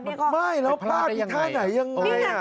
ถ้าพลาดได้ยังไง